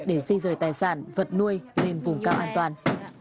để di rời tài sản vật nuôi lên vùng cao an toàn